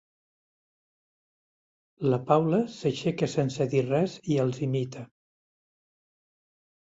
La Paula s'aixeca sense dir res i els imita.